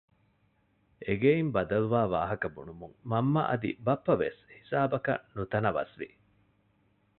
އެގެއިން ބަދަލުވާ ވާހަކަ ބުނުމުން މަންމަ އަދި ބައްޕަވެސް ހިސާބަކަށް ނުތަނަވަސްވި